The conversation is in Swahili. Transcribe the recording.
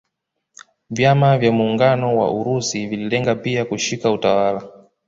Vyama vya muungano wa Urusi vililenga pia kushika utawala